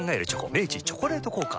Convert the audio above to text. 明治「チョコレート効果」